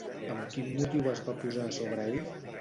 Amb quin motiu es va posar sobre ell?